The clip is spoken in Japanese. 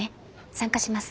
参加します。